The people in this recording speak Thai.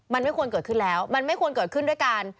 มันไม่ควรเกิดขึ้นแล้วมันไม่ควรเกิดขึ้นด้วยการ